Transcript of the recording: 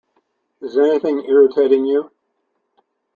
Is anything irritating you?